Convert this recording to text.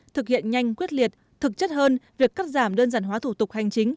thực hiện nhanh quyết liệt thực chất hơn việc cắt giảm đơn giản hóa thủ tục hành chính